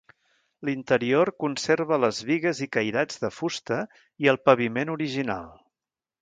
L'interior conserva les bigues i cairats de fusta i el paviment original.